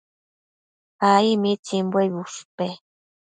Ai. ¿mitsimbuebi ushpe?